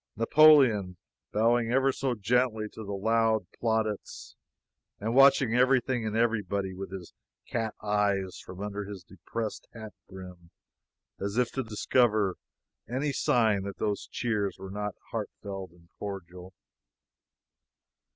Napoleon, bowing ever so gently to the loud plaudits, and watching everything and everybody with his cat eyes from under his depressed hat brim, as if to discover any sign that those cheers were not heartfelt and cordial.